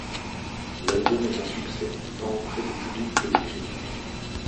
L'album est un succès, tant auprès du public que des critiques.